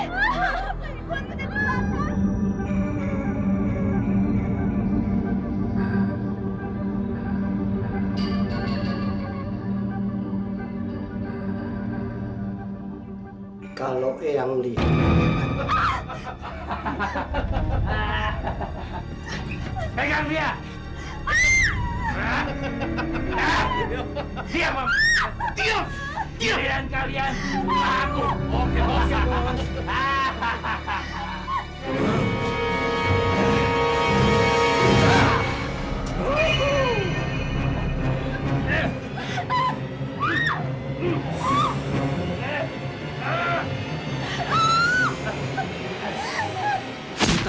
mau pamer kecantikan ya